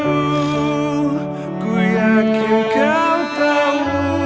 aku yakin kau tahu